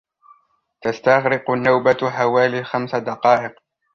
تستغرق النوبة حوالي خمس دقائق.